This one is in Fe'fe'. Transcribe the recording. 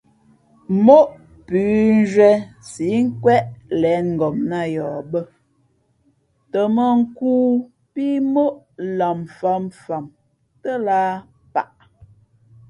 Móʼ pʉ̌nzhwīē síʼ nkwéʼ lěn ngopnāt yαα bᾱ tα mᾱ nkū pí móʼ lamfǎmfam tά lǎh paʼ.